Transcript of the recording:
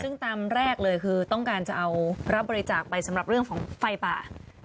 ซึ่งตามแรกเลยคือต้องการจะเอารับบริจาคไปสำหรับเรื่องของไฟป่า